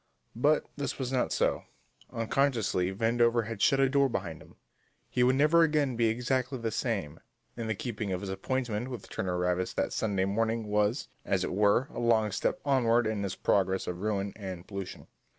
But this was not so. Unconsciously, Vandover had shut a door behind him; he would never again be exactly the same, and the keeping of his appointment with Turner Ravis that Sunday morning was, as it were, a long step onward in his progress of ruin and pollution.